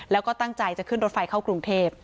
แล้วก็ตั้งใจจะขึ้นรถไฟเข้ากรุงเทพ